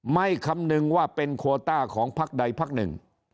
ไม่คำนึงว่าเป็นโควต้าของภักดัยภักด์หนึ่ง